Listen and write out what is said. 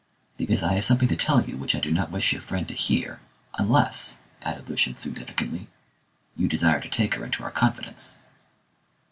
"Because I have something to tell you which I do not wish your friend to hear, unless," added Lucian significantly, "you desire to take her into our confidence."